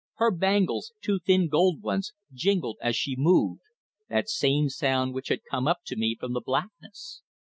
Her bangles, two thin gold ones, jingled as she moved that same sound which had come up to me from the blackness.